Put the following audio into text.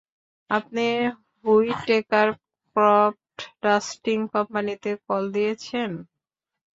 আপনি Whitaker crop dusting কোম্পানিতে call দিয়েছেন।